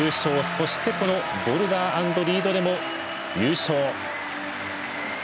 そしてボルダー＆リードでも優勝。